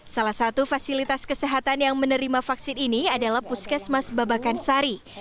salah satu fasilitas kesehatan yang menerima vaksin ini adalah puskesmas babakan sari